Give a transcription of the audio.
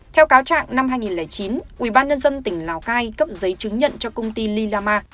theo cáo trạng năm hai nghìn chín ubnd tỉnh lào cai cấp giấy chứng nhận cho công ty lillama